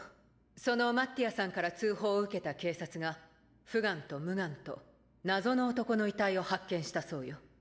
そのマッティアさんから通報を受けた警察がフガンとムガンと謎の男の遺体を発見したそうよ。